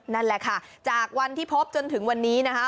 นั่นแหละค่ะจากวันที่พบจนถึงวันนี้นะคะ